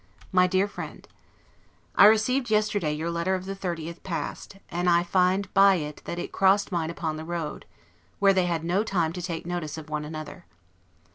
MY DEAR FRIEND: I received yesterday your letter of the 30th past, and I find by it that it crossed mine upon the road, where they had no time to take notice of one another.